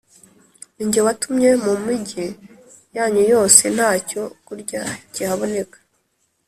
Ni jye watumye mu migi yanyu yose nta cyo kurya kihaboneka,